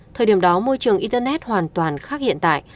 thời điểm đó môi trường internet hoàn toàn khác hiện tại